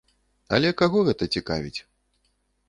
Але каго гэта цікавіць?